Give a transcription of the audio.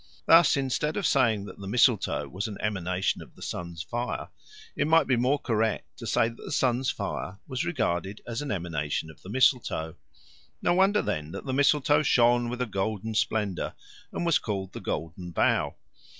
Thus, instead of saying that the mistletoe was an emanation of the sun's fire, it might be more correct to say that the sun's fire was regarded as an emanation of the mistletoe. No wonder, then, that the mistletoe shone with a golden splendour, and was called the Golden Bough.